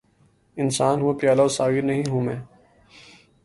انسان ہوں‘ پیالہ و ساغر نہیں ہوں میں!